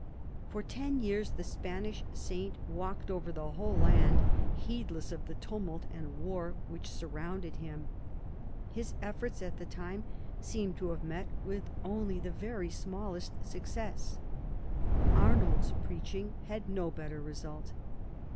For ten years the Spanish saint walked over the whole land, heedless of the tumult and war which surrounded him. His efforts at the time seemed to have met with only the very smallest success. Arnauld's preaching had no better result.